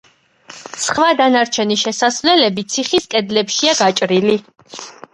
სხვა დანარჩენი შესასვლელები ციხის კედლებშია გაჭრილი.